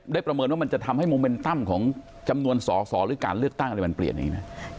ประเมินว่ามันจะทำให้โมเมนตั้มของจำนวนสอสอหรือการเลือกตั้งอะไรมันเปลี่ยนอย่างนี้ไหม